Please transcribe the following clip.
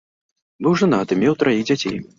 Быў жанаты, меў траіх дзяцей.